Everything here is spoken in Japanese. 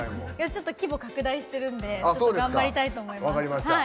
規模を拡大してるので頑張りたいと思います。